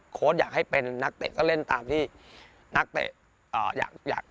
โค้ชอยากให้เป็นนักเต็กก็เล่นตามที่นักเต็กอ่าอยากอยาก